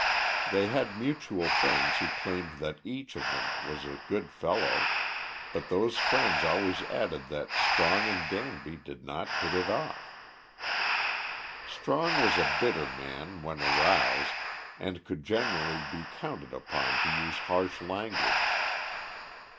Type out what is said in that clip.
They had mutual friends who claimed that each one of them was a good fellow, but those friends always added that Strong and Danby did not "hit it off." Strong was a bitter man when aroused, and could generally be counted upon to use harsh language.